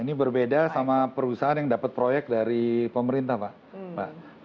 ini berbeda sama perusahaan yang dapat proyek dari pemerintah pak